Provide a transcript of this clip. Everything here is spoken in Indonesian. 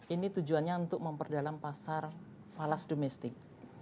ini tujuannya untuk memperdalam pasar falas domestik